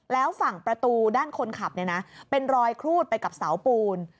แล้วฝั่งประตูด้านคนขับเป็นรอยครูดไปกับเสาปูน